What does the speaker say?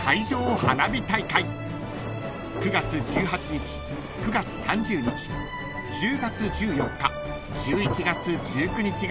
［９月１８日９月３０日１０月１４日１１月１９日が開催日］